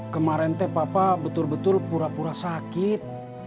kemarin teh papa betul betul pura pura sakit